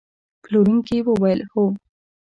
پلورونکي وویل: هو.